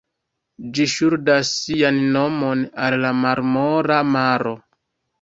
Ĝi ŝuldas sian nomon al la Marmora maro.